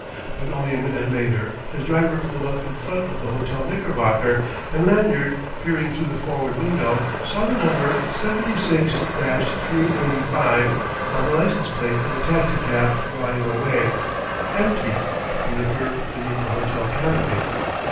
But only a minute later his driver pulled up in front of the Hotel Knickerbocker, and Lanyard, peering through the forward window, saw the number 76 385 on the license plate of a taxicab drawing away, empty, from the curb beneath the hotel canopy.